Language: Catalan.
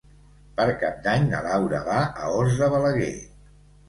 Per Cap d'Any na Laura va a Os de Balaguer.